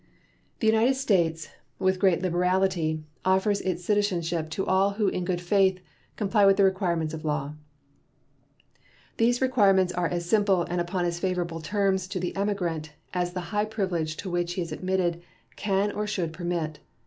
The United States, with great liberality, offers its citizenship to all who in good faith comply with the requirements of law. These requirements are as simple and upon as favorable terms to the emigrant as the high privilege to which he is admitted can or should permit.